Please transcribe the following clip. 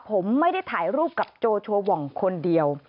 ผมไม่ได้ถ่ายรูปกับโจชัวร์คนเดียว